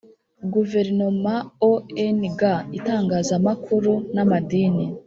guverinoma ong itangazamakuru n amadini